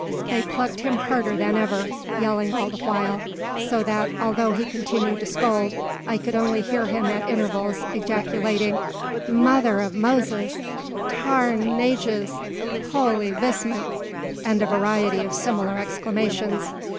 They plucked him harder than ever, yelling all the while; so that, although he continued to scold, I could only hear him at intervals ejaculating: "Mother av Moses!" "Tare an ages!" "Holy vistment!" and a variety of similar exclamations.